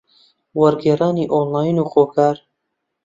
وەرگێڕانی ئۆنلاین و خۆکار